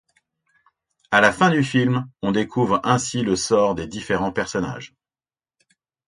A la fin du film, on découvre ainsi le sort des différents personnages.